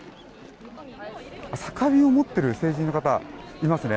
酒瓶を持っている成人の方がいますね。